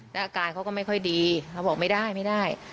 และอาการเขาก็ไม่ค่อยดีเราบอกไม่ได้